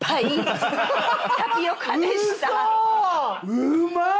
うまい！